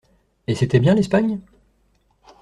Et c'était bien l'Espagne?